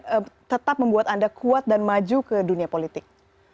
ini tetap membuat anda kuat dan maju ke dunia politik